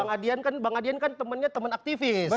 abang adian kan temennya temen aktivis